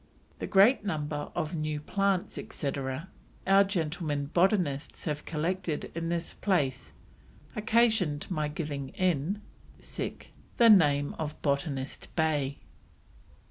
"The great number of New Plants, etc., our Gentlemen Botanists have collected in this place occasion'd my giving in the Name of Botanist Bay."